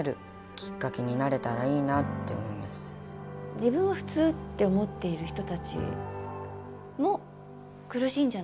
自分は普通って思っている人たちも苦しいんじゃないか。